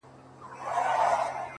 اې د دوو سترگو ښايسته قدم اخله _